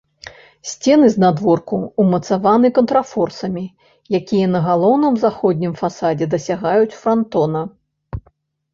Сцены знадворку ўмацаваны контрфорсамі, якія на галоўным заходнім фасадзе дасягаюць франтона.